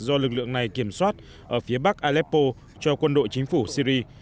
do lực lượng này kiểm soát ở phía bắc aleppo cho quân đội chính phủ syri